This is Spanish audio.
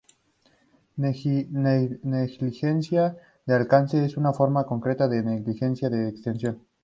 Negligencia de alcance es una forma concreta de negligencia de extensión.